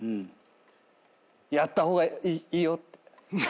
やった方がいいよって。